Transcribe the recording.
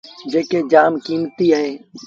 جيڪي جآم ڪيمتيٚ اهين۔